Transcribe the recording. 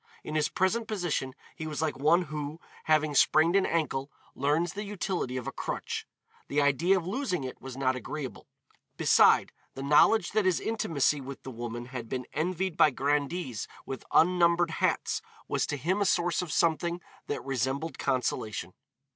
In his present position he was like one who, having sprained an ankle, learns the utility of a crutch. The idea of losing it was not agreeable. Beside, the knowledge that his intimacy with the woman had been envied by grandees with unnumbered hats was to him a source of something that resembled consolation.